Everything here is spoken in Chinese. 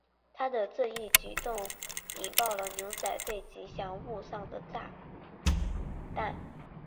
他的这一举动引爆了牛仔队吉祥物上的炸弹。